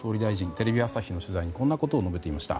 テレビ朝日の取材にこんなことを述べていました。